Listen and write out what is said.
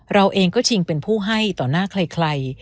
เราเองก็ชิงเป็นผู้ให้ต่อหน้าใคร